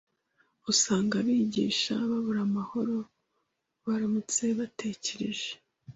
Usanga abigisha babura amahoro baramutse batekereje